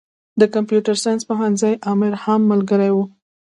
د کمپيوټر ساينس پوهنځي امر هم ملګری و.